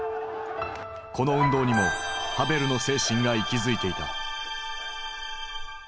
この運動にもハヴェルの精神が息づいていた。